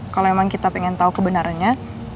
kalau emang kita pengen tau kebenarannya